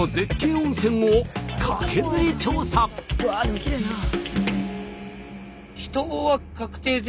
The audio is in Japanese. うわでもきれいなあ。